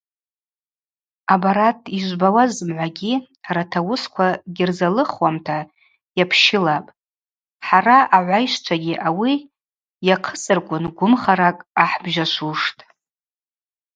Абарат йыжвбауа зымгӏвагьи арат ауысква гьырзалыхуамта йапщылапӏ, хӏара агӏвайщчвагьи ауи йахъысырквын гвымхаракӏ гӏахӏбжьашвуштӏ.